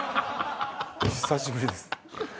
久しぶりです。